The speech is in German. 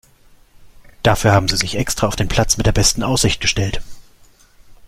Dafür haben Sie sich extra auf den Platz mit der besten Aussicht gestellt.